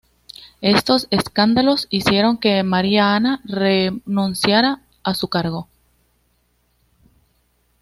Estos escándalos, hicieron que María Ana renunciará a su cargo.